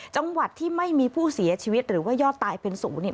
จังหวัดที่ไม่มีผู้เสียชีวิตหรือว่ายอดตายเป็นสูงเนี่ย